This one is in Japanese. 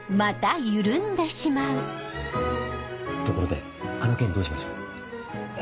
ところであの件どうしましょう？